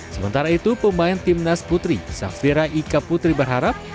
sementara itu pemain timnas putri safira ika putri berharap